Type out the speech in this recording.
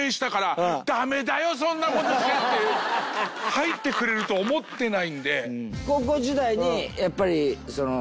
入ってくれると思ってないんで。